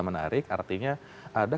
menarik artinya ada